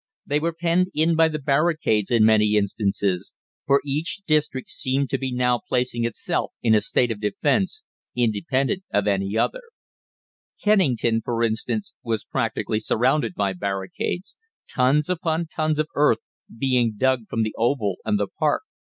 They were penned in by the barricades in many instances, for each district seemed to be now placing itself in a state of defence, independent of any other. [Illustration: THE DEFENCES OF SOUTH LONDON on Sept 26^{th} ] Kennington, for instance, was practically surrounded by barricades, tons upon tons of earth being dug from the "Oval" and the "Park."